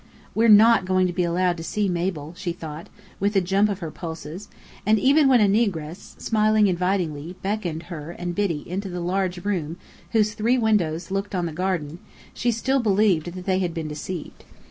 "We're not going to be allowed to see Mabel!" she thought, with a jump of her pulses; and even when a negress, smiling invitingly, beckoned her and Biddy into the large room whose three windows looked on the garden, she still believed that they had been deceived.